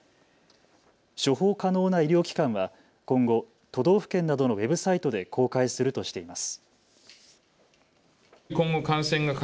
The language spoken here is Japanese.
処方可能な医療機関は今後、都道府県などのウェブサイトで公開するとしています。